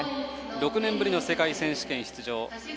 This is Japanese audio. ６年ぶりの世界選手権出場。